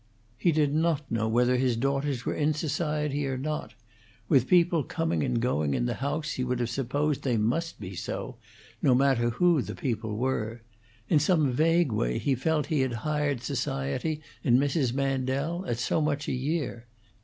He did not know whether his daughters were in society or not; with people coming and going in the house he would have supposed they must be so, no matter who the people were; in some vague way he felt that he had hired society in Mrs. Mandel, at so much a year.